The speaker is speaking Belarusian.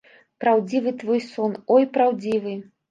Праўдзівы твой сон, ой, праўдзівы.